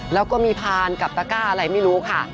แล้วก็มีพานกับตะก้าอะไรไม่รู้ค่ะ